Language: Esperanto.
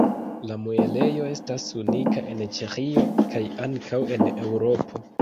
La muelejo estas unika en Ĉeĥio kaj ankaŭ en Eŭropo.